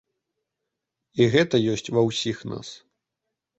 І гэта ёсць ва ўсіх нас.